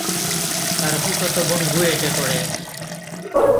তার ফুফাতো বোন বুয়েটে পড়ে।